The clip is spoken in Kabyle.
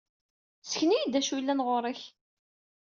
Ssken-iyi-d d acu yellan ɣer-k!